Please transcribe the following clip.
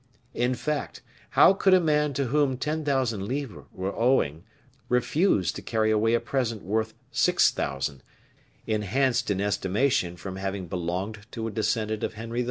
In fact, how could a man to whom ten thousand livres were owing, refuse to carry away a present worth six thousand, enhanced in estimation from having belonged to a descendant of Henry IV.?